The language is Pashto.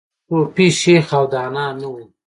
یو ولي الله، صوفي، شیخ او دانا نه و